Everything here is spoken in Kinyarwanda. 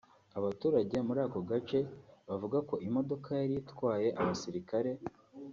Abatuye muri ako gace bavuga ko imodoka yari itwaye abasirikare